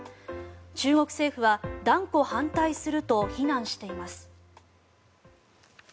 中国政府は断固反対すると非難しています。